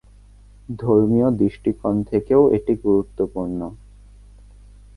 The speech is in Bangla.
ধর্মীয় দৃষ্টিকোণ থেকেও এটি গুরুত্বপূর্ণ।